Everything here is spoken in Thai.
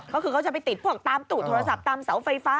ก็คือเขาจะไปติดพวกตามตู้โทรศัพท์ตามเสาไฟฟ้า